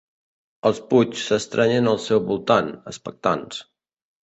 Els Puig s'estrenyen al seu voltant, expectants.